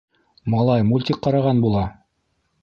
— Малай мультик ҡараған була?